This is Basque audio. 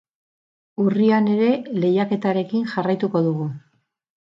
Urrian ere lehiaketarekin jarraituko dugu.